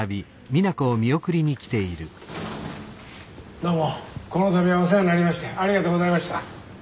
どうもこの度はお世話になりましてありがとうございました。